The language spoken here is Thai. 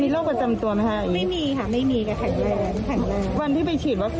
แล้วอย่างไรละนะ